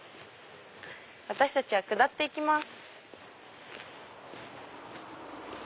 私たちは下っていきます。